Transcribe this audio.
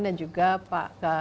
dan juga pak gita